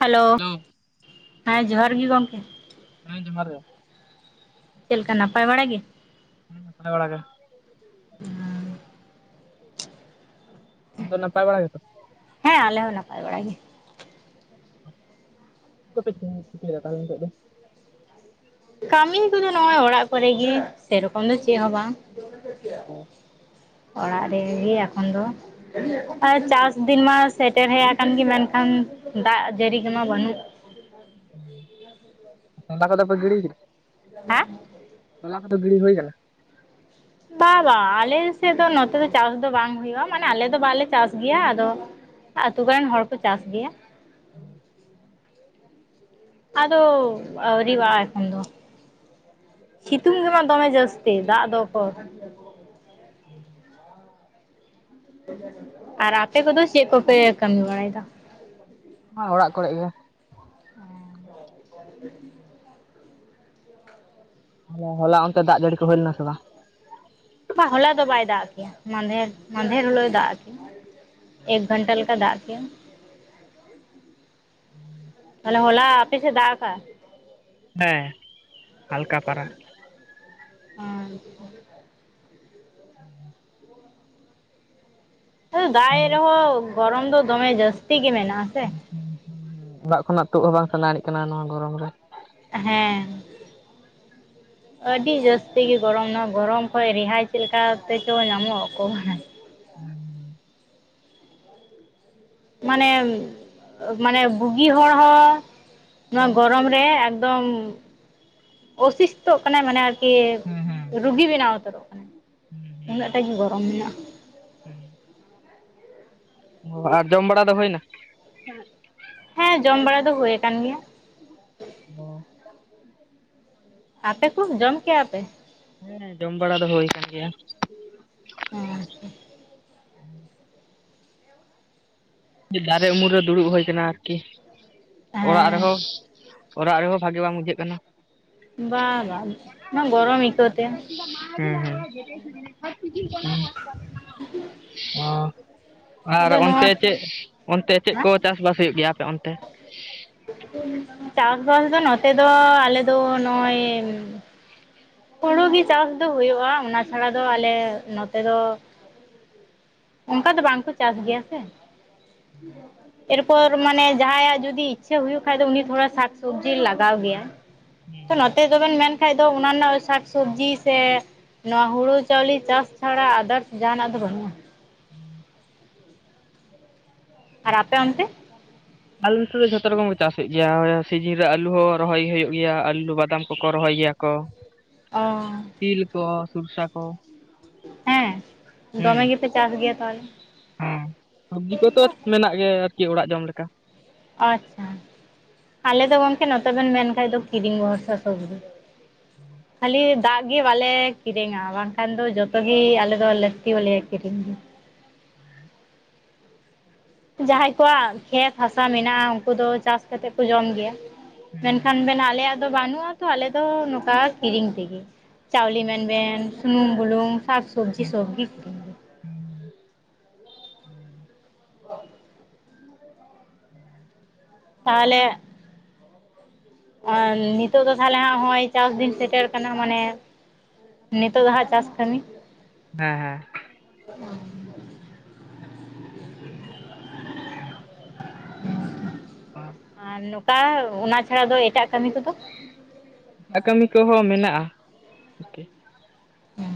Hello hello ᱦᱮᱸ ᱡᱚᱦᱟᱨ ᱜᱮ ᱜᱚᱢᱠᱮ᱾ ᱦᱮᱸ ᱡᱚᱦᱟᱨ ᱜᱮ᱾ ᱪᱮᱫ ᱞᱮᱠᱟ ᱱᱟᱯᱟᱭ ᱵᱟᱲᱟ ᱜᱮ? ᱦᱩᱸ ᱱᱟᱯᱟᱭ ᱵᱟᱲᱟᱜᱮ᱾ [unintelligible] ᱛᱚ ᱱᱟᱯᱟᱭ ᱵᱟᱲᱟ ᱜᱮᱛᱚ? ᱦᱮᱸ ᱟᱞᱮ ᱦᱚᱸ ᱱᱟᱯᱟᱭ ᱵᱟᱲᱟ ᱜᱮ᱾ ᱪᱮᱫ ᱠᱚᱯᱮ ᱪᱤᱠᱟ. ᱭᱫᱟ ᱛᱟᱦᱚᱞᱮ‌ ᱱᱤᱛᱚᱜ‌ ᱫᱚ? ᱠᱟᱹᱢᱤ ᱠᱚᱫᱚ ᱱᱚᱜᱼᱚᱭ ᱚᱲᱟᱜ ᱠᱚᱨᱮ ᱜᱮ ᱥᱮ ᱨᱚᱠᱚᱢ ᱫᱚ ᱪᱮᱫ ᱦᱚᱸ ᱵᱟᱝ᱾ ᱚᱲᱟᱜ ᱨᱮᱜᱮ ᱮᱠᱷᱚᱱ ᱫᱚ᱾ ᱟᱨ ᱪᱟᱥ ᱫᱤᱱ ᱢᱟ ᱥᱮᱴᱮᱨ ᱦᱮ ᱟᱠᱟᱱ ᱜᱮ ᱢᱮᱱᱠᱷᱟᱱ ᱫᱟᱜ ᱡᱟᱹᱲᱤ ᱠᱚᱢᱟ ᱵᱟᱹᱱᱩᱜ ᱪᱸᱫᱟ ᱠᱚᱫᱚ ᱯᱮ ᱜᱤᱲᱤ ᱠᱮᱫᱟ? ᱦᱮ᱾ ᱛᱚᱞᱟ ᱠᱚᱫᱚ ᱜᱤᱲᱤ ᱦᱩᱭ ᱠᱟᱱᱟ? ᱵᱟ ᱵᱟ ᱟᱞᱮ ᱥᱮᱫ ᱫᱚ ᱱᱚᱛᱮ ᱫᱚ ᱪᱟᱥ ᱫᱚ ᱵᱟᱝ ᱦᱩᱭᱩᱜᱼᱟ ᱢᱟᱱᱮ ᱟᱞᱮ ᱫᱚ ᱵᱟᱞᱮ ᱪᱟᱥ ᱜᱮᱭᱟ ᱟᱫᱚ ᱟᱛᱩ ᱨᱮᱱ ᱦᱚᱲ ᱠᱚ ᱪᱟᱥ ᱜᱮᱭᱟ᱾ ᱟᱫᱚ ᱟᱣᱨᱤ ᱨᱟᱜᱼᱟ ᱮᱠᱷᱚᱱ ᱫᱚ᱾ ᱥᱤᱛᱩᱝ ᱠᱟᱱᱟ ᱫᱚᱢᱮ ᱡᱟᱹᱥᱛᱤ ᱫᱟᱜ ᱫᱚ [unintelligible] [unintelligible] ᱦᱩᱸ᱾ ᱟᱨ ᱟᱯᱮ ᱠᱚᱫᱚ ᱪᱮᱫ ᱠᱚᱯᱮ ᱠᱟᱹᱢᱤ ᱵᱟᱲᱟᱭ ᱮᱫᱟ? [unintelligible] ᱚᱲᱟᱜ ᱠᱚᱨᱮ ᱜᱮ᱾ [unintelligible] ᱦᱚᱞᱟ ᱦᱚᱞᱟ ᱚᱱᱛᱮ ᱫᱟᱜ ᱡᱟᱹᱲᱤ ᱠᱚ ᱦᱩᱭ ᱞᱮᱱᱟ ᱥᱮ ᱵᱟᱝ? ᱵᱟ ᱦᱚᱞᱟ ᱫᱚ ᱵᱟᱭ ᱫᱟᱜ ᱠᱮᱭᱟ ᱢᱟᱫᱷᱮᱨ ᱢᱟᱫᱷᱮᱨ ᱦᱤᱞᱚᱜ ᱮ ᱫᱟᱜ ᱠᱮᱭᱟ᱾ ᱮᱠ ᱜᱷᱚᱱᱴᱟ ᱞᱮᱠᱟ ᱫᱟᱜ ᱠᱮᱭᱟ᱾ [inaudible] ᱛᱟᱦᱞᱮ ᱦᱚᱞᱟ ᱟᱯᱮ ᱥᱮ ᱫᱟᱜᱼᱟᱠᱟ? ᱦᱮᱸ ᱦᱟᱞᱠᱟ ᱯᱟᱨᱟ ᱾ ᱟᱸᱪᱪᱷᱟ [unintelligible] [inaudible] ᱫᱟᱜᱭᱮᱫ ᱨᱮᱦᱚᱸ ᱜᱚᱨᱚᱢ ᱫᱚ ᱫᱚᱢᱮ ᱡᱟᱹᱥᱛᱤ ᱜᱮ ᱢᱮᱱᱟᱜ ᱟᱥᱮ ᱾ ᱦ ᱦ [inaudible] ᱚᱲᱟᱜ ᱠᱷᱚᱱᱟᱜ ᱛᱩᱫ ᱦᱚᱸ ᱵᱟᱝ ᱥᱟᱱᱟ ᱟᱲᱤᱡ ᱠᱟᱱᱟ ᱱᱚᱣᱟ ᱜᱚᱨᱚᱢ ᱨᱮ ᱾ ᱦᱮᱸ ᱾ [inaudible] ᱟᱹᱰᱤ ᱡᱟᱹᱥᱛᱤ ᱜᱮ ᱜᱚᱨᱚᱢ ᱱᱚᱣᱟ ᱜᱚᱨᱚᱢ ᱠᱷᱚᱡ ᱨᱮᱦᱟᱭ ᱪᱮᱞᱠᱟ ᱛᱮᱪᱚ ᱧᱟᱢᱚᱜ ᱚᱠᱚᱭ ᱵᱟᱰᱟᱭ ᱾ ᱚᱸ ᱢᱟᱱᱮ ᱢᱟᱱᱮ ᱵᱩᱜᱤ ᱦᱚᱲ ᱦᱚᱸᱼᱼ ᱱᱚᱣᱟ ᱜᱚᱨᱚᱢ ᱨᱮ ᱮᱠᱫᱚᱢ ᱚᱥᱤᱥᱛᱚᱜ ᱠᱟᱱᱟᱭ ᱢᱟᱱᱮ ᱟᱨᱠᱤᱼᱼ ᱦᱮᱸ ᱦᱮᱸ ᱨᱩᱜᱤ ᱵᱮᱱᱟᱣ ᱩᱛᱟᱹᱨᱚᱜ ᱠᱟᱱᱟᱭ, ᱩᱱᱟᱹᱜ ᱦᱮᱸ ᱴᱟᱜ ᱜᱮ ᱜᱚᱨᱚᱢ ᱢᱮᱱᱟᱜ-ᱟ ᱾ [inaudible] ᱚ ᱟᱨ ᱡᱚᱢ ᱵᱟᱲᱟ ᱫᱚ ᱦᱩᱭᱱᱟ? ᱦᱮᱸ ᱡᱚᱢ ᱵᱟᱲᱟ ᱫᱚ ᱦᱩᱭ ᱟᱠᱟᱱ ᱜᱮᱭᱟ ᱾ ᱚ [unintelligible] ᱟᱯᱮ ᱠᱚ ᱡᱚᱢ ᱠᱮᱭᱟ ᱯᱮ? ᱦᱮᱸ ᱡᱚᱢ ᱵᱟᱲᱟ ᱫᱚ ᱦᱩᱭ ᱠᱟᱱ ᱜᱮᱭᱟ ᱾ ᱦᱩᱸ ᱾ ᱫᱟᱨᱮ ᱩᱢᱩᱞ ᱨᱮ ᱫᱩᱲᱩᱵ ᱦᱩᱭ ᱠᱟᱱᱟ ᱟᱨᱠᱤ, ᱚᱲᱟᱜ ᱦᱮᱸ ᱨᱮᱦᱚᱸᱼᱼ ᱚᱲᱟᱜ ᱨᱮᱦᱚᱸ ᱵᱷᱟᱜᱮ ᱵᱟᱝ ᱵᱩᱡᱷᱟᱹᱜ ᱠᱟᱱᱟ ᱾ ᱵᱟ ᱵᱟᱝ ᱱᱚᱣᱟ ᱜᱚᱨᱚᱢ ᱟᱹᱭᱠᱟᱹᱣ ᱛᱮ [unintelligible] ᱦᱩᱸ ᱦᱩᱸ [unintelligible] ᱟᱨ ᱟᱫᱚ ᱱᱚᱣᱟ ᱚᱱᱛᱮ ᱪᱮᱜ ᱚᱱᱛᱮ ᱪᱮᱜ ᱠᱚ ᱪᱟᱥ ᱵᱟᱥ ᱦᱩᱭᱩᱜ ᱜᱮᱭᱟ ᱟᱯᱮ ᱚᱱᱛᱮ? ᱪᱟᱥ ᱵᱟᱥ ᱫᱚ ᱱᱚᱛᱮ ᱫᱚ ᱟᱞᱮ ᱫᱚ ᱱᱚᱜ-ᱚᱭᱼᱼ ᱦᱩᱲᱩ ᱜᱮ ᱪᱟᱥ ᱫᱚ ᱦᱩᱭᱩᱜ-ᱟ ᱚᱱᱟ ᱪᱷᱟᱲᱟ ᱫᱚ ᱟᱞᱮ ᱱᱚᱛᱮ ᱫᱚᱼᱼ ᱚᱝᱠᱟ ᱫᱚ ᱵᱟᱝᱠᱚ ᱪᱟᱥ ᱜᱮᱭᱟ ᱥᱮ ᱾ ᱮᱨᱯᱚᱨ ᱢᱟᱱᱮ ᱡᱟᱦᱟᱸᱭᱟᱜ ᱡᱩᱫᱤ ᱤᱪᱪᱷᱟᱹ ᱦᱩᱭᱩᱜ ᱠᱷᱟᱡ ᱫᱚ ᱩᱱᱤ ᱛᱷᱚᱲᱟ ᱥᱟᱠᱥᱚᱵᱽᱡᱤ ᱞᱟᱜᱟᱣ ᱜᱮᱭᱟᱭ ᱾ ᱛᱚ ᱱᱚᱛᱮ ᱫᱚᱵᱮᱱ ᱢᱮᱱ ᱠᱷᱟᱡ ᱫᱚ ᱚᱱᱟ ᱨᱮᱱᱟᱜ ᱥᱟᱠᱥᱚᱵᱽᱡᱤ ᱥᱮᱼᱼ ᱱᱚᱣᱟ ᱦᱩᱲᱩ ᱪᱟᱣᱞᱮ ᱪᱟᱥ ᱪᱷᱟᱲᱟ ᱟᱫᱟᱨᱥ ᱡᱟᱦᱟᱱᱟᱜ ᱫᱚ ᱵᱟᱹᱱᱩᱜ-ᱟ ᱾ [inaudible] ᱟᱨ ᱟᱯᱮ ᱚᱛᱱᱮ? ᱟᱞᱮ ᱚᱱᱛᱮ ᱫᱚ ᱡᱷᱚᱛᱚ ᱨᱚᱠᱚᱢ ᱠᱚ ᱪᱟᱥᱮᱜ ᱜᱮᱭᱟ, ᱥᱤᱡᱤᱱ ᱨᱮ ᱟᱞᱩ ᱦᱚᱸ ᱨᱚᱦᱚᱭ ᱜᱮ ᱦᱩᱭᱩᱜ ᱜᱮᱭᱟ ᱟᱹᱞᱩ ᱵᱟᱫᱟᱢ ᱠᱚᱠᱚ ᱨᱚᱦᱚᱭ ᱜᱮᱭᱟ ᱠᱚ ᱾ [inaudible] ᱚᱻ ᱛᱤᱞ ᱠᱚ ᱥᱩᱨᱥᱟ ᱠᱚᱼᱼ ᱦᱮᱸ ᱫᱚᱢᱮ ᱜᱮᱯᱮ ᱪᱟᱥ ᱜᱮᱭᱟ ᱛᱟᱦᱚᱞᱮ ᱾ ᱦᱩᱸ ᱥᱚᱵᱽᱡᱤ ᱠᱚᱛᱚ ᱢᱮᱱᱟᱜ ᱜᱮᱭᱟ ᱟᱨᱠᱤ ᱚᱲᱟᱜ ᱡᱚᱢ ᱞᱮᱠᱟ ᱾ ᱟᱪᱪᱷᱟ, ᱟᱞᱮ ᱫᱚ ᱜᱚᱝᱠᱮ ᱱᱚᱛᱮ ᱵᱮᱱ ᱢᱮᱱ ᱠᱷᱟᱱ ᱫᱚ ᱠᱤᱨᱤᱧ ᱵᱷᱚᱨᱥᱟ ᱥᱚᱵᱽᱡᱤ ᱾ ᱠᱷᱟᱞᱤ ᱫᱟᱜᱼᱼ ᱪᱮᱫ ᱜᱮ ᱵᱟᱞᱮ ᱠᱤᱨᱤᱧᱟ ᱵᱟᱝᱠᱷᱟᱱ ᱫᱚ ᱡᱚᱛᱚ ᱜᱤ ᱟᱞᱮ ᱫᱚ ᱞᱟᱹᱠᱛᱤ ᱟᱞᱮᱭᱟ ᱦᱚᱞᱮ ᱠᱤᱨᱤᱧ ᱜᱮᱭᱟ ᱾ ᱡᱟᱦᱟᱸᱭ ᱠᱚᱣᱟᱜ ᱠᱷᱮᱛ ᱦᱟᱥᱟ ᱢᱮᱱᱟᱜᱼᱟ ᱩᱱᱠᱩ ᱫᱚ ᱪᱟᱥ ᱠᱟᱛᱮᱜ ᱠᱚ ᱡᱚᱢ ᱜᱮᱭᱟ ᱾ ᱢᱮᱱᱠᱷᱟᱱ ᱟᱞᱮᱭᱟᱜ ᱫᱚ ᱵᱟᱹᱱᱩᱜᱼᱟ ᱛᱚ, ᱟᱞᱮ ᱫᱚ ᱱᱚᱝᱠᱟ ᱠᱤᱨᱤᱧ ᱛᱤᱜᱮ ᱾ ᱪᱟᱶᱞᱮ ᱢᱮᱱᱵᱮᱱ ᱥᱩᱱᱩᱢ ᱵᱩᱞᱩᱝ ᱥᱟᱠ ᱥᱚᱵᱽᱡᱤ ᱥᱚᱵᱜᱤ ᱠᱤᱨᱤᱧ ᱾ ᱦᱩᱸ ᱾ ᱚᱞ [unintelligible] ᱦᱩᱸ ᱛᱟᱦᱚᱞᱮ ᱟᱨ ᱱᱤᱛᱚᱜ ᱫᱚ ᱛᱟᱦᱚᱞᱮ ᱦᱚᱸᱜ ᱚᱜᱭ ᱪᱟᱥ ᱫᱤᱱ ᱥᱮᱴᱮᱨ ᱠᱟᱱᱟ ᱢᱟᱱᱮ ᱱᱤᱛᱚᱜ ᱦᱟᱸᱜ ᱪᱟᱥ ᱠᱟᱹᱢᱤ ᱦᱮᱸ ᱦᱮᱸ [inaudible] ᱟᱨ ᱟᱨ ᱱᱚᱠᱟ ᱚᱱᱟ ᱪᱷᱟᱲᱟ ᱫᱚ ᱮᱴᱟᱜ ᱠᱟᱹᱢᱤ ᱠᱚᱫᱚ ᱮᱴᱟᱜ ᱠᱟᱹᱢᱤ ᱠᱚᱦᱚᱸ ᱢᱮᱱᱟᱜᱼᱟ ᱟᱨᱠᱤ ᱩᱸ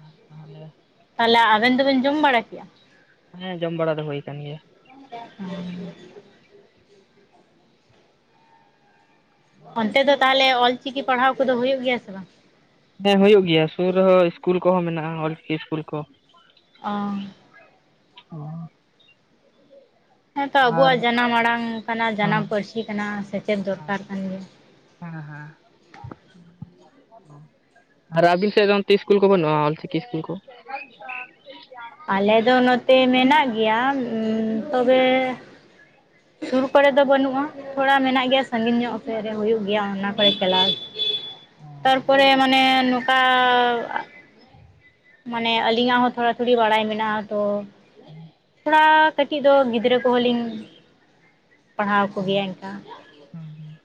ᱟᱨ ᱛᱟᱦᱚᱞᱮ ᱛᱟᱦᱚᱞᱮ ᱟᱵᱮᱱ ᱫᱚᱵᱮᱱ ᱡᱚᱢ ᱵᱟᱲᱟ ᱠᱮᱜᱼᱟ ᱦᱮᱸ ᱡᱚᱢ ᱵᱟᱲᱟ ᱫᱚ ᱦᱩᱭ ᱠᱟᱱ ᱜᱮᱭᱟ [unintelligible] ᱚᱱᱛᱮ ᱫᱚ ᱛᱟᱦᱚᱞᱮ ᱚᱞᱪᱤᱠᱤ ᱯᱟᱲᱦᱟᱣ ᱠᱚᱫᱚ ᱦᱩᱭᱩᱜ ᱜᱮᱭᱟ ᱥᱮ ᱵᱟᱝ ᱦᱮᱸ ᱦᱩᱭᱩᱜ ᱜᱮᱭᱟ ᱥᱩᱨ ᱨᱮᱦᱚᱸ ᱤᱥᱠᱩᱞ ᱠᱚᱦᱚᱸ ᱢᱮᱱᱟᱜᱼᱟ ᱚᱞᱪᱤᱠᱤ ᱤᱥᱠᱩᱞ ᱠᱚ ᱚᱻ ᱚᱻ ᱦᱮᱸ ᱛᱚ ᱟᱵᱚᱣᱟᱜ ᱟᱨ ᱡᱟᱱᱟᱢ ᱟᱲᱟᱝ ᱠᱟᱱᱟ ᱡᱟᱱᱟᱢ ᱦᱮᱸ ᱯᱟᱹᱨᱥᱤ ᱠᱟᱱᱟ ᱥᱮᱪᱮᱫ ᱫᱚᱨᱠᱟᱨ ᱠᱟᱱ ᱜᱮᱭᱟ ᱦᱮᱸᱻᱦᱮᱸᱻ ᱟᱨ ᱟᱹᱵᱤᱱ ᱥᱮᱫ ᱫᱚ ᱚᱱᱛᱮ ᱤᱥᱠᱩᱞ ᱠᱚ ᱵᱟᱹᱱᱩᱜᱼᱟ ᱚᱞ ᱪᱤᱠᱤ ᱤᱥᱠᱩᱞ ᱠᱚ ᱟᱞᱮ ᱫᱚ ᱱᱚᱛᱮ ᱢᱮᱱᱟᱜ ᱜᱮᱭᱟ ᱛᱚᱵᱮ ᱥᱩᱨ ᱠᱚᱨᱮ ᱫᱚ ᱵᱟᱹᱱᱩᱜᱼᱟ ᱛᱷᱚᱲᱟ ᱢᱮᱱᱟᱜ ᱜᱮᱭᱟ ᱥᱟᱹᱜᱤᱧ ᱧᱚᱜ ᱥᱮᱫ ᱨᱮ ᱦᱩᱭᱩᱜ ᱜᱮᱭᱟ ᱚᱱᱟ ᱠᱚᱨᱮ ᱪᱟᱞᱟᱶ ᱛᱟᱨᱯᱚᱨᱮ ᱢᱟᱱᱮᱼ ᱟᱨᱻ ᱢᱟᱱᱮ ᱟᱹᱞᱤᱧᱟᱜ ᱦᱚᱸ ᱛᱷᱚᱲᱟ ᱛᱷᱩᱲᱤ ᱵᱟᱲᱟᱭ ᱢᱮᱱᱟᱜᱼᱟ ᱛᱚ [inaudible] ᱛᱷᱚᱲᱟ ᱠᱟᱹᱴᱤᱡ ᱫᱚ ᱜᱤᱫᱽᱨᱟᱹ ᱠᱚᱦᱚᱸ ᱞᱤᱧ ᱯᱟᱲᱦᱟᱶ ᱠᱚᱜᱮᱭᱟ ᱤᱱᱠᱟ ᱦᱩᱸ ᱦᱩᱸ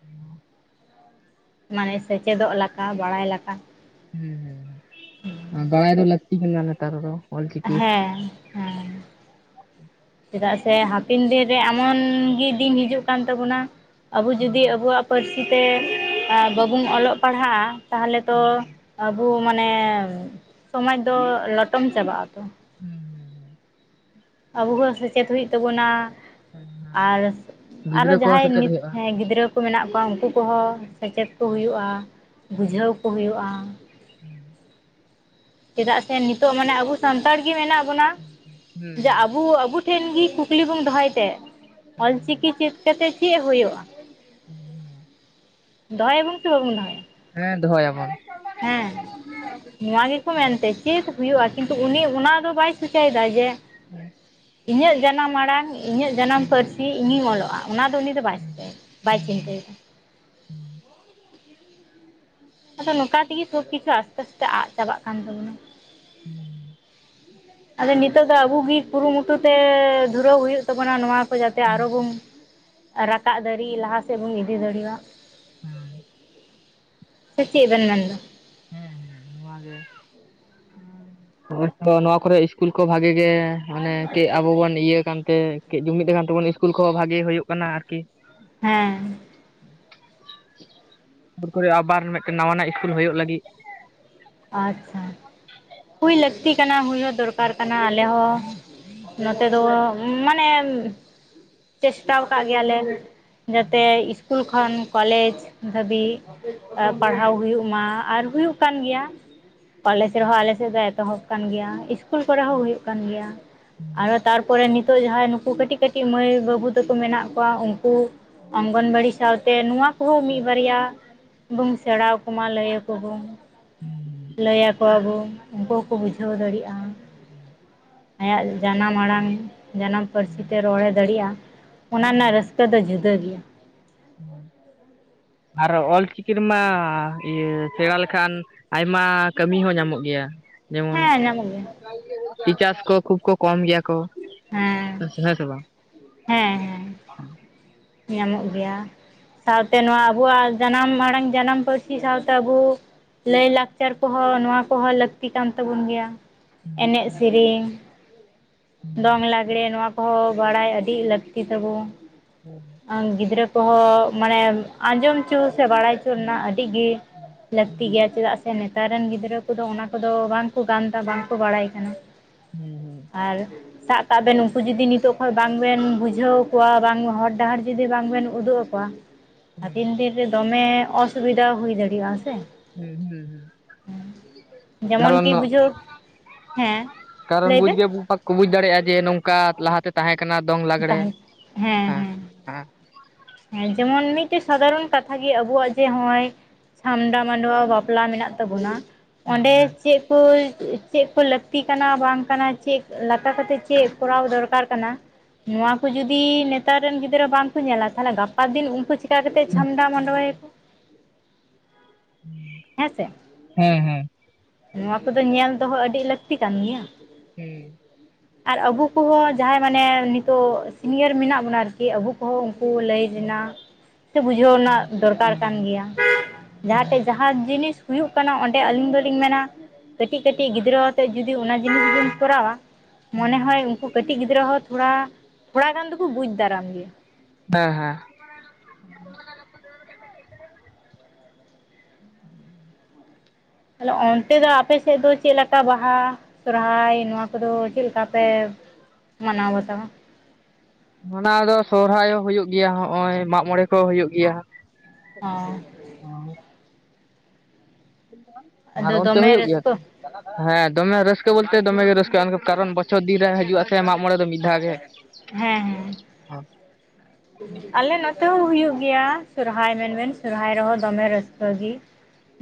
ᱦᱩᱸ ᱢᱟᱱᱮ ᱥᱮᱪᱮᱫᱚᱜ ᱞᱮᱠᱟ ᱵᱟᱲᱟᱭ ᱞᱮᱠᱟ ᱦᱩᱸ ᱦᱩᱸ ᱵᱟᱲᱟᱭ ᱫᱚ ᱞᱟᱹᱠᱛᱤ ᱠᱟᱱᱟ ᱱᱮᱛᱟᱨ ᱫᱚ ᱚᱞᱪᱤᱠᱤ ᱦᱮᱸ ᱦᱮᱸ ᱪᱮᱫᱟᱜ ᱥᱮ ᱦᱟᱯᱮᱱ ᱫᱤᱱᱨᱮ ᱮᱢᱚᱱᱜᱤ ᱫᱤᱱ ᱦᱤᱡᱩᱜ ᱠᱟᱱ ᱛᱟᱵᱚᱱᱟ ᱟᱵᱩ ᱡᱩᱫᱤ ᱟᱵᱩᱣᱟᱜ ᱯᱟᱹᱨᱥᱤ ᱛᱮ ᱵᱟᱵᱚᱱ ᱚᱞᱚᱜ ᱯᱟᱲᱦᱟᱜᱼᱟ ᱛᱟᱦᱚᱞᱮ ᱛᱚ ᱦᱩᱸ ᱟᱵᱚ ᱢᱟᱱᱮ ᱥᱚᱢᱟᱡᱽ ᱫᱚ ᱞᱚᱴᱚᱢ ᱪᱟᱵᱟᱜ ᱟᱛᱚ ᱦᱩᱸ ᱻ ᱟᱵᱚ ᱦᱚᱸ ᱥᱮᱪᱮᱫ ᱦᱩᱭᱩᱜ ᱛᱟᱵᱚᱱᱟ ᱦᱩᱸ ᱟᱨ ᱦᱩᱸ ᱟᱨᱚ ᱜᱤᱫᱽᱨᱟᱹ ᱠᱚ ᱡᱟᱦᱟᱸᱭ ᱥᱮᱪᱮᱫ ᱦᱩᱭᱩᱜᱼᱟ ᱜᱤᱫᱽᱨᱟᱹ ᱠᱚ ᱢᱮᱱᱟᱜ ᱠᱚᱣᱟ ᱩᱱᱠᱩ ᱠᱚᱦᱚᱸ ᱥᱮᱪᱮᱫ ᱠᱚ ᱦᱩᱸ ᱦᱩᱭᱩᱜᱼᱟ ᱵᱩᱡᱷᱟᱹᱣ ᱠᱚ ᱦᱩᱭᱩᱜᱼᱟ ᱦᱩᱸ ᱪᱮᱫᱟᱜ ᱥᱮ ᱱᱤᱛᱚᱜ ᱢᱟᱱᱮ ᱟᱵᱚ ᱥᱟᱱᱛᱟᱲ ᱜᱮ ᱢᱮᱱᱟᱜ ᱵᱚᱱᱟ ᱡᱮ ᱟᱵᱚ ᱟᱵᱚ ᱴᱷᱮᱱ ᱜᱮᱤ ᱜᱮ ᱠᱩᱠᱞᱤ ᱵᱚᱱ ᱫᱚᱦᱚᱭ ᱛᱮ ᱚᱞ ᱪᱤᱠᱤ ᱪᱮᱫ ᱠᱟᱛᱮᱫ ᱪᱮᱫ ᱦᱩᱭᱩᱜᱼᱟ? [unintelligible] ᱫᱚᱦᱚᱭᱟᱵᱚᱱ ᱥᱮ ᱵᱟᱵᱚᱱ ᱫᱚᱦᱚᱭᱟ ᱦᱮᱸ ᱫᱚᱦᱚᱭᱟᱵᱚᱱ ᱦᱮᱸ ᱱᱚᱣᱟ ᱜᱮ ᱢᱮᱱᱛᱮ ᱪᱮᱫ ᱦᱩᱭᱩᱜᱼᱟ ᱠᱤᱱᱛᱩ ᱩᱱᱤ ᱚᱱᱟ ᱫᱚ ᱵᱟᱭ ᱥᱚᱪᱟᱭᱫᱟ ᱡᱮ [unintelligible] ᱤᱧᱟᱹᱜ ᱡᱟᱱᱟᱢ ᱟᱲᱟᱝ ᱤᱧᱟᱹᱜ ᱡᱟᱱᱟᱢ ᱯᱟᱹᱨᱥᱤ ᱤᱧᱤᱧ ᱚᱞᱚᱜᱼᱟ ᱚᱱᱟ ᱫᱚ ᱩᱱᱤ ᱫᱚ ᱵᱟᱭ ᱪᱤᱠᱟᱹᱭᱮᱫᱟ ᱦᱩᱸ ᱵᱟᱭ ᱦᱩᱸ ᱪᱤᱱᱛᱟᱹᱭᱮᱫᱟ ᱦᱩᱸ ᱟᱫᱚ ᱱᱚᱝᱠᱟ ᱛᱮᱜᱮ ᱥᱚᱵ ᱠᱤᱪᱷᱩ ᱟᱥᱛᱮ ᱟᱥᱛᱮ ᱟᱫ ᱪᱟᱵᱟᱜ ᱠᱟᱱ ᱛᱟᱵᱚᱱᱟ ᱦᱮᱸ ᱟᱫᱚ ᱱᱤᱛᱳᱜ ᱫᱚ ᱟᱵᱚ ᱜᱮ ᱠᱩᱨᱩᱢᱩᱴᱩ ᱛᱮᱻ ᱫᱷᱩᱨᱟᱹᱣ ᱦᱩᱭᱩᱜ ᱛᱟᱵᱚᱱᱟ ᱱᱚᱣᱟ ᱠᱚ ᱡᱟᱛᱮ ᱟᱨᱚ ᱦᱩᱸ ᱵᱚᱱ ᱨᱟᱠᱟᱵ ᱫᱟᱲᱮᱜ ᱞᱟᱦᱟ ᱥᱮᱫ ᱵᱚᱱ ᱤᱫᱤ ᱫᱟᱲᱮᱭᱟᱜ ᱦᱩᱸ ᱥᱮ ᱪᱮᱫ ᱵᱮᱱ ᱢᱮᱱᱫᱟ? ᱦᱮᱸ ᱦᱮᱸ ᱱᱚᱣᱟ ᱜᱮ। ᱦᱩᱸ। ᱦᱳᱭᱛᱚ ᱱᱚᱣᱟ ᱠᱚᱨᱮ ᱤᱥᱠᱩᱞ ᱠᱚ ᱵᱷᱟᱜᱮ ᱜᱮ ᱢᱟᱱᱮ ᱠᱮ ᱟᱵᱚ ᱵᱚᱱ ᱤᱭᱟᱹ ᱠᱟᱱ ᱛᱮ ᱠᱟᱹᱡ ᱡᱩᱢᱤᱫ ᱟᱠᱟᱱ ᱛᱟᱵᱚᱱ ᱤᱥᱠᱩᱞ ᱠᱚᱦᱚᱸ ᱵᱷᱟᱜᱮ ᱦᱳᱭᱳᱜ ᱠᱟᱱᱟ ᱟᱨᱠᱤ। ᱦᱮᱸ। ᱥᱩᱨ ᱠᱚᱨᱮ ᱟᱵᱟᱨ ᱢᱤᱫᱴᱮᱱ ᱱᱟᱣᱟᱱᱟᱜ ᱤᱥᱠᱩᱞ ᱦᱳᱭᱳᱜ ᱞᱟᱹᱜᱤᱫ ᱟᱪᱪᱷᱟ। ᱦᱩᱭ ᱞᱟᱹᱠᱛᱤ ᱠᱟᱱᱟ ᱦᱩᱭ ᱫᱚᱨᱠᱟᱨ ᱠᱟᱱᱟ ᱟᱞᱮ ᱦᱚᱸ ᱱᱚᱛᱮ ᱫᱚ ᱢᱟᱱᱮ ᱪᱮᱥᱴᱟᱣ ᱟᱠᱟᱫ ᱜᱮᱭᱟᱞᱮ ᱡᱟᱛᱮ ᱤᱥᱠᱩᱞ ᱠᱷᱚᱱ ᱠᱚᱞᱮᱡᱽ ᱫᱷᱟᱹᱵᱤᱡ ᱯᱟᱲᱦᱟᱣ ᱦᱩᱭᱩᱜ ᱢᱟ ᱟᱨ ᱦᱩᱭᱩᱜ ᱠᱟᱱ ᱜᱮᱭᱟ। ᱠᱚᱞᱮᱡᱽ ᱨᱮᱦᱚᱸ ᱟᱞᱮ ᱥᱮᱫ ᱫᱚ ᱮᱛᱚᱦᱚᱵ ᱠᱟᱱ ᱜᱮᱭᱟ ᱤᱥᱼ ᱤᱥᱠᱩᱞ ᱠᱚᱨᱮ ᱦᱚᱸ ᱦᱩᱭᱩᱜ ᱠᱟᱱ ᱜᱮᱭᱟ, ᱟᱨᱚ ᱛᱟᱨᱯᱚᱨᱮ ᱱᱤᱛᱚᱜ ᱡᱟᱦᱟᱸᱭ ᱱᱩᱠᱩ ᱠᱟᱹᱴᱤᱡ ᱠᱟᱹᱴᱤᱡ ᱢᱟᱹᱭ ᱵᱟᱹᱵᱩ ᱛᱟᱠᱚ ᱢᱮᱱᱟᱜ ᱠᱚᱣᱟ ᱩᱱᱠᱩ ᱚᱝᱜᱚᱱᱵᱟᱲᱤ ᱥᱟᱶᱛᱮ ᱱᱚᱣᱟ ᱠᱚᱦᱚᱸ ᱢᱤᱫ ᱵᱟᱨᱭᱟ ᱵᱩᱱ ᱥᱮᱸᱲᱟᱣ ᱟᱠᱚᱢᱟ ᱞᱟᱹᱭ ᱟᱠᱚ ᱵᱩᱱ। ᱞᱟᱹᱭ ᱟᱠᱚᱣᱟ ᱵᱚᱱ ᱩᱱᱠᱩ ᱦᱚᱸᱠᱚ ᱵᱩᱡᱷᱟᱹᱣ ᱫᱟᱲᱮᱜᱼᱟ। ᱟᱭᱟᱜ ᱡᱟᱱᱟᱢ ᱟᱲᱟᱝ ᱡᱟᱱᱟᱢ ᱯᱟᱹᱨᱥᱤ ᱛᱮ ᱨᱚᱲᱮ ᱫᱟᱲᱮᱜᱼᱟ ᱚᱱᱟ ᱨᱮᱱᱟᱜ ᱨᱟᱹᱥᱠᱟᱹ ᱠᱟᱹ ᱫᱚ ᱡᱩᱫᱟᱹ ᱜᱮᱭᱟ। ᱟᱨᱚ ᱚᱞ ᱪᱤᱠᱤ ᱨᱮᱢᱟ ᱤᱭᱟᱹ ᱥᱮᱲᱟ ᱞᱮᱠᱷᱟᱱ ᱟᱭᱢᱟ ᱠᱟᱹᱢᱤ ᱦᱚᱸ ᱧᱟᱢᱚᱜ ᱜᱮᱭᱟ। ᱡᱮᱢᱚᱱ ᱦᱮᱸ ᱧᱟᱢᱚᱜ ᱜᱮᱭᱟ ᱴᱤᱪᱟᱨᱥ ᱠᱚ ᱠᱷᱩᱵ ᱠᱚ ᱠᱚᱢ ᱜᱮᱭᱟ ᱠᱚ ᱦᱮᱸ ᱟᱪᱪᱷᱟ ᱦᱮᱸ ᱥᱮ ᱵᱟᱝ? ᱦᱮᱸ ᱦᱮᱸ। ᱧᱟᱢᱚᱜ ᱜᱮᱭᱟ। ᱥᱟᱶᱛᱮ ᱱᱚᱣᱟ ᱟᱵᱚᱣᱟᱜ ᱡᱟᱱᱟᱢ ᱟᱲᱟᱝ ᱡᱟᱱᱟᱢ ᱯᱟᱹᱨᱥᱤ ᱥᱟᱶᱛᱮ ᱟᱵᱚ ᱞᱟᱹᱭ ᱞᱟᱠᱪᱟᱨ ᱠᱚᱦᱚᱸ ᱱᱚᱣᱟ ᱠᱚᱦᱚᱸ ᱞᱟᱹᱠᱛᱤ ᱠᱟᱱ ᱛᱟᱵᱚᱱ ᱜᱮᱭᱟ ᱮᱱᱮᱡ ᱥᱮᱨᱮᱧ ᱫᱚᱝ ᱦᱩᱸ ᱞᱟᱜᱽᱲᱮ ᱱᱚᱶᱟ ᱠᱚᱦᱚᱸ ᱵᱟᱲᱟᱭ ᱟᱹᱰᱤ ᱞᱟᱹᱠᱛᱤ ᱛᱟᱵᱚ। ᱦᱮᱸ ᱜᱤᱫᱽᱨᱟᱹ ᱠᱚᱦᱚᱸ ᱢᱟᱱᱮ ᱟᱸᱡᱚᱢ ᱦᱚᱪᱚ ᱥᱮ ᱵᱟᱲᱟᱭ ᱨᱮᱱᱟᱜ ᱟᱹᱰᱤ ᱜᱮ ᱦᱩᱸ ᱞᱟᱹᱠᱛᱤ ᱜᱮᱭᱟ ᱪᱮᱫᱟᱜ ᱥᱮ ᱥᱮ ᱱᱮᱛᱟᱨ ᱨᱮᱱ ᱜᱤᱫᱽᱨᱟᱹ ᱠᱚᱫᱚ ᱚᱱᱟ ᱠᱚᱫᱚ ᱵᱟᱝ ᱠᱚ ᱜᱟᱱ ᱮᱫᱟ ᱵᱟᱝᱠᱚ ᱵᱟᱲᱟᱭ ᱠᱟᱱᱟ ᱦᱩᱸ ᱦᱩᱸ ᱟᱨ ᱥᱟᱵ ᱠᱟᱜ ᱵᱮᱱ ᱩᱱᱠᱩ ᱡᱩᱫᱤ ᱱᱤᱛᱚᱜ ᱠᱷᱚᱱ ᱵᱟᱝ ᱵᱮᱱ ᱵᱩᱡᱷᱟᱹᱣ ᱠᱚᱣᱟ ᱵᱟᱝ ᱦᱚᱨ ᱰᱟᱦᱟᱨ ᱡᱩᱫᱤ ᱵᱟᱝ ᱵᱮᱱ ᱩᱫᱩᱜ ᱟᱠᱚᱣᱟ ᱦᱩᱸ ᱦᱟᱯᱮᱱ ᱫᱤᱱ ᱨᱮ ᱫᱚᱢᱮ ᱚᱥᱩᱵᱤᱫᱟ ᱦᱩᱭ ᱫᱟᱲᱮᱭᱟᱜᱼᱟ ᱥᱮ। ᱦᱩᱸ ᱦᱩᱸ ᱦᱩᱸ ᱡᱮᱢᱚᱱ ᱠᱟᱨᱚᱱ ᱠᱤ ᱵᱩᱡᱷᱟᱹᱣ ᱦᱮᱸ ᱠᱟᱨᱚᱱ ᱞᱟᱹᱭ ᱵᱩᱡ ᱵᱮᱱ ᱜᱮ ᱯ ᱠᱚ ᱵᱩᱡᱽ ᱫᱟᱲᱮᱭᱟᱜᱼᱟ ᱡᱮ ᱱᱚᱝᱠᱟ ᱞᱟᱦᱟᱛᱮ ᱛᱟᱦᱮᱸ ᱠᱟᱱᱟ ᱫᱚᱝ ᱞᱟᱜᱽᱲᱮ ᱛᱟᱦᱮᱸ ᱦᱮᱸ ᱦᱮᱸ ᱦᱮᱸ ᱡᱮᱢᱚᱱ ᱢᱤᱫᱴᱮᱡ ᱥᱟᱫᱷᱟᱨᱚᱱ ᱠᱟᱛᱷᱟ ᱜᱮ ᱟᱵᱚᱣᱟᱜ ᱡᱮ ᱱᱚᱜᱼᱚᱭ᱾ ᱪᱷᱟᱢᱰᱟ ᱢᱟᱰᱣᱟ ᱵᱟᱯᱞᱟ ᱢᱮᱱᱟᱜ ᱛᱟᱵᱚᱱᱟ ᱚᱸᱰᱮ ᱪᱮᱫᱼᱼ ᱠᱚ ᱪᱮᱫ ᱠᱚ ᱞᱟᱹᱠᱛᱤ ᱠᱟᱱᱟ ᱵᱟᱝ ᱠᱟᱱᱟ ᱪᱮᱫ ᱞᱮᱠᱟ ᱠᱟᱛᱮᱫ ᱪᱮᱫ ᱠᱚᱨᱟᱣ ᱫᱚᱨᱠᱟᱨ ᱠᱟᱱᱟ᱾ ᱱᱚᱣᱟ ᱠᱚ ᱡᱩᱫᱤ ᱱᱮᱛᱟᱨ ᱨᱮᱱ ᱜᱤᱫᱽᱨᱟᱹ ᱵᱟᱝᱠᱚ ᱧᱮᱞᱟ ᱛᱟᱦᱚᱞᱮ ᱜᱟᱯᱟ ᱫᱤᱱ ᱩᱱᱠᱩ ᱡᱤᱼᱼ ᱪᱮᱠᱟ ᱠᱟᱛᱮ ᱪᱷᱟᱢᱰᱟ ᱢᱟᱰᱣᱟᱭᱟ ᱠᱚ ᱦᱮᱸ ᱥᱮ᱾ ᱦᱮᱸ ᱦᱮᱸ ᱱᱚᱣᱟ ᱠᱚᱫᱚ ᱧᱮᱞ ᱫᱚᱦᱚ ᱟᱹᱰᱤ ᱞᱟᱹᱠᱛᱤ ᱠᱟᱱ ᱜᱮᱭᱟ᱾ ᱦᱩᱸ ᱟᱨ ᱟᱵᱚ ᱠᱚᱦᱚᱸ ᱡᱟᱦᱟᱸᱭ ᱢᱟᱱᱮ ᱱᱤᱛᱚᱜ ᱥᱤᱱᱤᱭᱟᱨ ᱢᱮᱱᱟᱜ ᱵᱚᱱᱟ ᱟᱨᱠᱤ᱾ ᱠᱤ ᱟᱵᱚ ᱠᱚᱦᱚᱸ ᱩᱱᱠᱩ ᱞᱟᱹᱭ ᱨᱮᱱᱟᱜ ᱥᱮ ᱵᱩᱡᱷᱟᱹᱣ ᱨᱮᱱᱟᱜ ᱦᱩᱸ ᱫᱚᱨᱠᱟᱨ ᱦᱮᱸ ᱠᱟᱱ ᱜᱮᱭᱟ᱾ ᱡᱟᱦᱟᱸᱴᱷᱮᱡ ᱦᱮᱸ ᱡᱟᱦᱟᱸ ᱡᱤᱱᱤᱥ ᱦᱩᱭᱩᱜ ᱠᱟᱱᱟ ᱚᱸᱰᱮ ᱟᱹᱞᱤᱧ ᱫᱚᱞᱤᱧ ᱢᱮᱱᱟ ᱠᱟᱹᱴᱤᱡ ᱠᱟᱹᱴᱤᱡ ᱜᱤᱫᱽᱨᱟᱹᱼᱼ ᱱᱤᱛᱚᱜ ᱡᱩᱫᱤ ᱚᱱᱟ ᱡᱤᱱᱤᱥ ᱵᱚᱱ ᱠᱚᱨᱟᱣᱟ ᱢᱚᱱᱮ ᱦᱩᱸ ᱦᱚᱭ ᱩᱱᱠᱩᱼᱼ ᱠᱟᱴᱤᱡ ᱜᱤᱫᱽᱨᱟᱹ ᱦᱚᱸ ᱛᱷᱚᱲᱟ ᱛᱷᱚᱲᱟ ᱜᱟᱱ ᱫᱚᱠᱚ ᱵᱩᱡ ᱫᱟᱨᱟᱢ ᱜᱮᱭᱟ᱾ ᱦᱮᱸ ᱦᱮᱸ ᱛᱟᱦᱞᱮ ᱚᱱᱛᱮ ᱫᱚ ᱟᱯᱮᱥᱮᱫ ᱫᱚ ᱪᱮᱫ ᱞᱮᱠᱟ ᱵᱟᱦᱟ᱾ ᱥᱚᱨᱦᱟᱭ ᱱᱚᱣᱟ ᱠᱚᱫᱚ ᱪᱮᱫ ᱞᱮᱠᱟ ᱯᱮ ᱢᱟᱱᱟᱣ ᱵᱟᱛᱟᱣᱟ? ᱚᱱᱟ ᱫᱚ ᱥᱚᱦᱨᱟᱭ ᱦᱚᱸ ᱦᱩᱭᱩᱜ ᱜᱮᱭᱟ ᱱᱚᱜᱼᱚᱭ ᱢᱟᱜ ᱢᱚᱬᱮ ᱠᱚ ᱦᱩᱭᱩᱜ ᱜᱮᱭᱟ᱾ ᱚ [inaudible] ᱟᱨ ᱟᱫᱚ ᱚᱱᱛᱮ ᱫᱚᱢᱮ ᱦᱩᱭᱩᱜ ᱜᱮᱭᱟ᱾ ᱨᱟᱹᱥᱠᱟᱹ ᱦᱮᱸ ᱫᱚᱢᱮ ᱨᱟᱹᱥᱠᱟᱹ ᱵᱚᱞᱛᱮ ᱫᱚᱢᱮ ᱜᱮ ᱨᱟᱹᱥᱠᱟᱹᱜᱼᱟ ᱠᱟᱨᱚᱱ ᱵᱚᱪᱷᱚᱨ ᱫᱤᱱ ᱨᱮ ᱦᱤᱡᱩᱜᱼᱟ᱾ ᱥᱮ ᱢᱟᱜ ᱢᱚᱬᱮ ᱫᱚ ᱢᱤᱫ ᱫᱷᱟᱣ ᱜᱮ᱾ ᱦᱮᱸ ᱦᱮᱸ ᱟᱞᱮ ᱱᱚᱛᱮ ᱦᱚᱸ ᱦᱩᱭᱩᱜ ᱜᱮᱭᱟ ᱥᱚᱨᱦᱟᱭ ᱢᱮᱱᱵᱮᱱ ᱥᱚᱨᱦᱟᱭ ᱨᱮᱦᱚᱸ ᱫᱚᱢᱮ ᱨᱟᱹᱥᱠᱟᱹᱜᱤ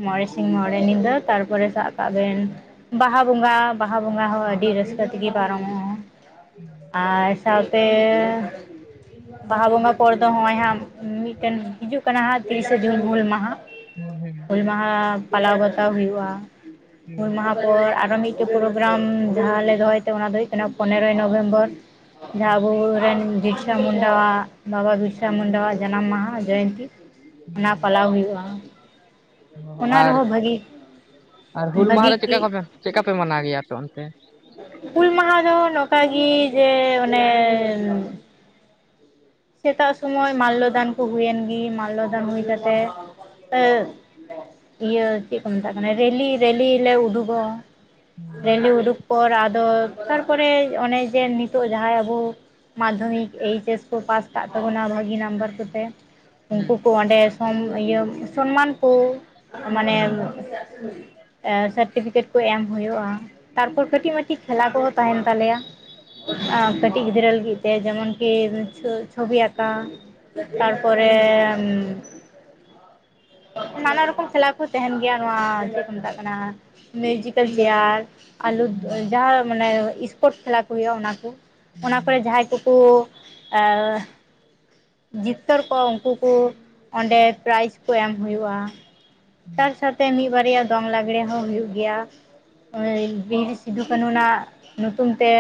ᱢᱚᱬᱮ ᱥᱤᱧ ᱢᱚᱬᱮ ᱧᱤᱫᱟᱹ ᱛᱟᱨᱯᱚᱨᱮ ᱥᱟᱵ ᱠᱟᱜ ᱵᱮᱱ ᱵᱟᱦᱟ ᱵᱚᱸᱜᱟᱼᱼ ᱵᱟᱦᱟ ᱵᱚᱸᱜᱟ ᱦᱚᱸ ᱟᱹᱰᱤ ᱨᱟᱹᱥᱠᱟᱹ ᱛᱮᱜᱮ ᱯᱟᱨᱚᱢᱚᱜᱼᱟ ᱟᱨ ᱥᱟᱶᱛᱮᱼᱼ ᱵᱟᱦᱟ ᱵᱚᱸᱜᱟ ᱯᱚᱨ ᱫᱚ ᱱᱚᱜᱼᱚᱭ ᱦᱟᱸᱜ ᱢᱤᱫᱴᱮᱱ ᱦᱤᱡᱩᱜ ᱠᱟᱱᱟ ᱦᱟᱸᱜ ᱛᱤᱨᱤᱥᱮ ᱡᱩᱱ ᱦᱩᱞ ᱢᱟᱦᱟ᱾ ᱦᱩᱸ ᱦᱩᱸ ᱦᱭᱞ ᱢᱟᱦᱟ ᱯᱟᱞᱟᱣ ᱵᱟᱛᱟᱣ ᱦᱩᱭᱩᱜᱼᱟ ᱦᱩᱸ ᱦᱩᱞ ᱢᱟᱦᱟ᱾ ᱛᱟᱯᱚᱨ ᱟᱨᱚ ᱢᱤᱫᱴᱮᱱ ᱯᱨᱳᱜᱨᱟᱢ ᱡᱟᱦᱟᱸ ᱞᱮ ᱫᱚᱦᱚᱭ ᱛᱮ ᱚᱱᱟ ᱫᱚ ᱦᱳᱭᱳᱜ ᱠᱟᱱᱟ ᱯᱚᱱᱮᱨᱚᱭ ᱱᱚᱵᱷᱮᱢᱵᱚᱨ᱾ ᱡᱟᱦᱟᱸ ᱦᱩᱸ ᱟᱵᱚᱨᱮᱱ ᱵᱤᱨᱥᱟ ᱢᱩᱱᱰᱟ ᱵᱟᱵᱟ ᱵᱤᱨᱥᱟ ᱢᱩᱱᱰᱟ᱾ ᱡᱟᱱᱟᱢ ᱢᱟᱦᱟ ᱡᱚᱭᱚᱱᱛᱤ ᱦᱩᱸ ᱚᱱᱟ ᱦᱩᱸ ᱦᱩᱸ ᱯᱟᱞᱟᱣ ᱦᱩᱭᱩᱜᱼᱟ᱾ ᱚᱱᱟ ᱟᱨ ᱨᱮᱦᱚᱸ ᱵᱷᱟᱹᱜᱤ ᱵᱷᱟᱹᱜᱤ ᱜᱮ ᱪᱮᱫ ᱞᱮᱠᱟ ᱯᱮ ᱢᱟᱱᱟᱣ ᱜᱮᱭᱟ ᱟᱯᱮ ᱚᱱᱛᱮ ᱦᱩᱞ ᱢᱟᱦᱟ ᱫᱚ ᱱᱚᱝᱠᱟᱜᱤ ᱡᱮ ᱚᱱᱮᱼᱼ ᱥᱮᱛᱟᱜ ᱥᱚᱢᱚᱭ ᱢᱟᱞᱞᱚ ᱫᱟᱱ ᱠᱚ ᱦᱩᱭᱮᱱ ᱜᱮ ᱢᱟᱞᱞᱚ ᱫᱟᱱ ᱦᱩᱭ ᱠᱟᱛᱮᱫ᱾ ᱤᱭᱟᱹ ᱪᱮᱫ ᱠᱚ ᱢᱮᱛᱟᱜ ᱠᱟᱱᱟ ᱨᱮᱞᱤ ᱨᱮᱞᱤ ᱞᱮ ᱩᱰᱩᱜᱚᱜᱼᱟ᱾ ᱨᱮᱞᱤ ᱩᱰᱩᱠ ᱯᱚᱨ ᱟᱫᱚᱼᱼ ᱛᱟᱨᱯᱚᱨᱮ ᱚᱱᱮ ᱡᱮ ᱱᱤᱛᱚᱜ ᱡᱟᱦᱟᱸᱭ ᱟᱵᱚ ᱢᱟᱫᱽᱫᱷᱚᱢᱤᱠ ᱮᱭᱤᱪ ᱮᱥᱼᱼ ᱠᱚ ᱯᱟᱥ ᱠᱟᱜ ᱛᱟᱵᱚᱱᱟ ᱵᱷᱟᱹᱜᱤ ᱱᱟᱢᱵᱟᱨ ᱠᱚᱛᱮ ᱩᱱᱠᱩ ᱠᱚ ᱚᱸᱰᱮ ᱥᱚᱢ ᱤᱭᱟᱹ ᱥᱚᱱᱢᱟᱱ ᱠᱚ ᱢᱟᱱᱮᱼᱼ ᱥᱟᱨᱴᱤᱯᱷᱤᱠᱮᱴ ᱠᱚ ᱮᱢ ᱦᱩᱭᱩᱜᱼᱟ ᱛᱟᱨᱯᱚᱨ ᱠᱟᱹᱴᱤᱡ ᱢᱟᱴᱤᱡ ᱠᱷᱮᱞᱟ ᱠᱚᱦᱚᱸ ᱛᱟᱦᱮᱱ ᱛᱟᱞᱮᱭᱟ᱾ ᱠᱟᱹᱴᱤᱡ ᱜᱤᱫᱽᱨᱟᱹ ᱞᱟᱹᱜᱤᱫ ᱛᱮ ᱡᱮᱢᱚᱱ ᱠᱤ ᱪᱷᱚᱵᱤ ᱟᱸᱠᱟᱣ᱾ ᱛᱟᱨ ᱯᱚᱨᱮ᱾ ᱱᱟᱱᱟ ᱨᱚᱠᱚᱢ ᱠᱷᱮᱞᱟ ᱠᱚ ᱛᱟᱦᱮᱱ ᱜᱮᱭᱟ ᱱᱚᱣᱟ ᱡᱮᱫ ᱠᱚ ᱢᱮᱛᱟᱜ ᱠᱟᱱᱟ᱾ ᱢᱤᱭᱩᱡᱤᱠᱮᱞ ᱪᱮᱭᱟᱨ ᱟᱞᱩ ᱡᱟᱦᱟ ᱢᱟᱱᱮ ᱤᱥᱯᱳᱴ ᱠᱷᱮᱞᱟ ᱠᱚ ᱦᱩᱭᱩᱜᱼᱟ ᱚᱱᱟ ᱠᱩ᱾ ᱚᱱᱟ ᱠᱚᱨᱮ ᱡᱟᱸᱦᱟᱭ ᱠᱩᱠᱩ ᱮᱸᱻ᱾ ᱡᱤᱛᱠᱟᱹᱨ ᱠᱚ ᱩᱱᱠᱩ ᱠᱩ ᱚᱸᱰᱮ ᱯᱨᱟᱭᱤᱡᱽ ᱠᱚ ᱮᱢ ᱦᱩᱭᱩᱜᱼᱟ᱾ ᱛᱟᱨ ᱥᱟᱛᱮ ᱢᱤᱫ ᱵᱟᱨᱭᱟ ᱫᱚᱝ ᱞᱟᱜᱽᱲᱮ ᱦᱚᱸ ᱦᱩᱭᱩᱜ ᱜᱮᱭᱟ᱾ ᱵᱤᱨ ᱥᱤᱫᱩ ᱠᱟᱹᱱᱩ [unintelligible] ᱧᱩᱛᱩᱢ ᱛᱮ᱾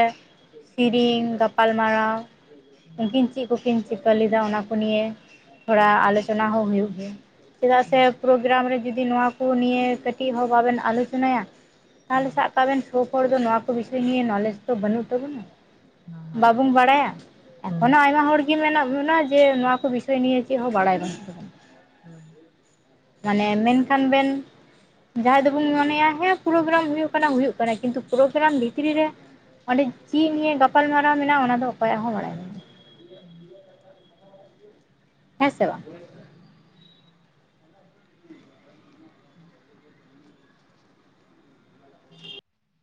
ᱥᱤᱨᱤᱧ ᱜᱟᱯᱟᱞ ᱜᱟᱯᱟᱞᱢᱟᱨᱟᱣ ᱩᱱᱠᱤᱱ ᱪᱮᱫ ᱠᱩ ᱠᱤᱱ ᱪᱤᱠᱟᱹ ᱞᱮᱫᱟ ᱚᱱᱟ ᱠᱚ ᱱᱤᱭᱮ᱾ ᱛᱷᱚᱲᱟ ᱟᱞᱳᱪᱚᱱᱟ ᱦᱚᱸ ᱦᱩᱭᱩᱜ ᱜᱮᱭᱟ ᱪᱮᱫ ᱟᱜ ᱥᱮ ᱯᱨᱳᱜᱨᱟᱢ ᱨᱮ ᱡᱩᱫᱤ ᱱᱚᱣᱟ ᱠᱚ᱾ [unintelligible] ᱱᱤᱭᱟᱹ ᱠᱟᱹᱴᱤᱡ ᱦᱚᱸ ᱵᱟ ᱵᱮᱱ ᱟᱞᱳᱪᱚᱱᱟᱭᱟ ᱛᱟᱦᱞᱮ ᱥᱟᱵ ᱠᱟᱜ ᱵᱮᱱ᱾ [unintelligible] ᱱᱚᱣᱟ ᱠᱚ ᱵᱤᱥᱚᱭ ᱱᱤᱭᱮ ᱱᱚᱞᱮᱡ ᱫᱚ ᱵᱟᱹᱱᱩᱜ ᱛᱟᱹᱵᱩᱱᱟ᱾ ᱵᱟᱵᱚᱱ ᱵᱟᱲᱟᱭᱟ ᱮᱠᱷᱚᱱᱚ ᱟᱭᱢᱟ ᱦᱚᱲ᱾ [unintelligible] ᱢᱮᱱᱟᱜ ᱵᱚᱱᱟ ᱡᱮ ᱱᱚᱣᱟ ᱠᱚ ᱵᱤᱥᱚᱭ ᱱᱤᱭᱮ ᱪᱮᱫ ᱦᱚᱸ ᱵᱟᱲᱟᱭ ᱵᱟᱱᱩᱜ‌ᱼᱟ᱾ ᱦᱮᱸ ᱢᱮᱱᱠᱷᱟᱱ ᱵᱮᱱ᱾ ᱡᱟᱸᱦᱟᱭ ᱫᱚ ᱵᱚᱱ ᱢᱚᱱᱮᱭᱟ ᱦᱮᱸ ᱯᱨᱳᱜᱨᱟᱢ ᱦᱳᱭᱳᱜ ᱠᱟᱱᱟ ᱦᱳᱭᱳᱜ ᱠᱟᱱᱟ ᱠᱤᱱᱛᱩ ᱯᱨᱜᱨᱟᱢ ᱵᱷᱤᱛᱨᱤ ᱨᱮ᱾ ᱚᱸᱰᱮ ᱪᱮᱫ ᱱᱤᱭ ᱜᱟᱯᱟᱞ ᱢᱟᱨᱟᱣ ᱢᱮᱱᱟᱜᱼᱟ ᱚᱱᱟ ᱫᱚ ᱚᱠᱚᱭ ᱟᱜ ᱦᱚᱸ ᱵᱟᱲᱟᱭ ᱵᱟᱱᱩᱜ᱾ [inaudible] ᱦᱮᱸ ᱥᱮ ᱵᱟᱝ᱾ [inaudible] [inaudible]